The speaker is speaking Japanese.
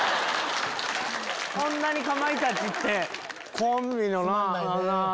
こんなにかまいたちってコンビのな。